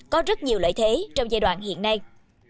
có rất nhiều lợi thế trong giai đoạn hiện nay